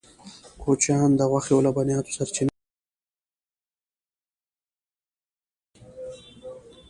کوچیان د غوښې او لبنیاتو سرچینه ده